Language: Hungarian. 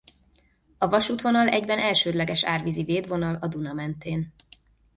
A vasútvonal egyben elsődleges árvízi védvonal a Duna mentén.